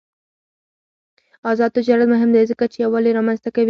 آزاد تجارت مهم دی ځکه چې یووالي رامنځته کوي.